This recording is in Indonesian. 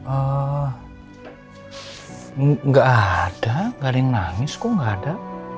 enggak ada garing nangis kok enggak ada